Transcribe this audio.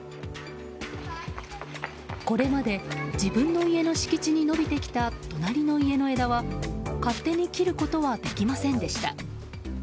これまで自分の家の敷地に伸びてきた隣の家の枝は勝手に切ることはできませんでした。